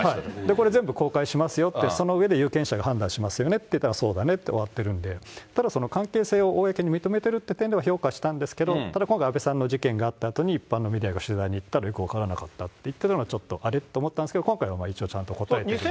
ここは全部公開しますよって、その上で有権者が判断しますよねって言ったら、そうだねって言って終わったんで、その関係性を公に認めてるっていう点では、評価したんですけど、今回安倍さんの事件があったあとに、一般のメディアが取材したあとに分からなかったと、ちょっとあれ？って思ったんですけど、今回は一応、ちゃんと答えて。